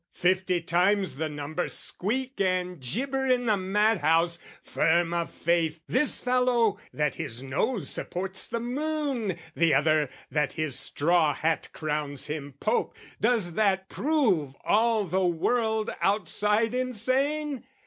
Fifty times the number squeak And gibber in the madhouse firm of faith, This fellow, that his nose supports the moon, The other, that his straw hat crowns him Pope: Does that prove all the world outside insane?